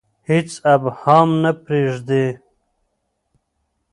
هیڅ ابهام نه پریږدي.